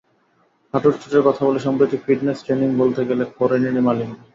হাঁটুর চোটের কথা বলে সম্প্রতি ফিটনেস ট্রেনিং বলতে গেলে করেনইনি মালিঙ্গা।